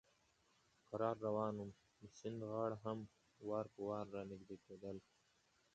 کرار روان ووم، د سیند غاړه هم وار په وار را نږدې کېدل.